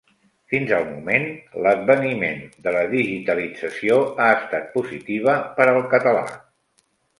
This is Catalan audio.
Fins al moment l'adveniment de la digitalització ha estat positiva per al català.